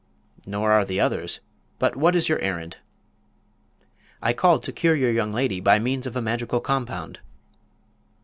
"Nor are the others. But what is your errand?" "I called to cure your young lady by means of a magical compound."